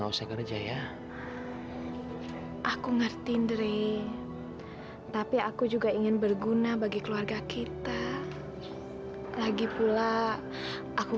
rasa kerja ya aku ngerti tapi aku juga ingin berguna bagi keluarga kita lagi pula aku